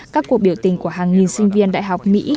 các cuộc biểu tình của hàng nghìn sinh viên đại học mỹ